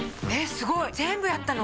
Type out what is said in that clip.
すごい全部やったの？